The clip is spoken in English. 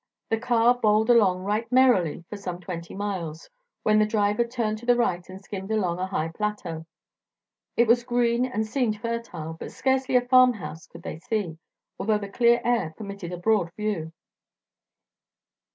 The car bowled along right merrily for some twenty miles, when the driver turned to the right and skimmed along a high plateau. It was green and seemed fertile, but scarcely a farmhouse could they see, although the clear air permitted a broad view.